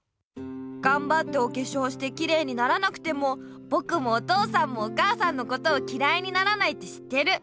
がんばっておけしょうしてきれいにならなくてもぼくもお父さんもお母さんのことをきらいにならないって知ってる。